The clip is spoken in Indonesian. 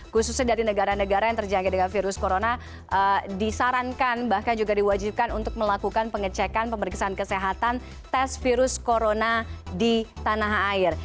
khususnya dari negara negara yang terjaga dengan virus corona disarankan bahkan juga diwajibkan untuk melakukan pengecekan pemeriksaan kesehatan tes virus corona di tanah air